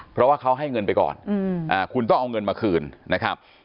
เพราะว่าเขาให้เงินไปก่อนคุณต้องเอาเงินมาคืนนะครับ